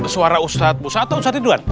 suara ustadz busa atau ustadz ridwan